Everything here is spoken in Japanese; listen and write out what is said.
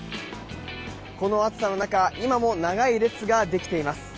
この暑さの中今も長い列ができています。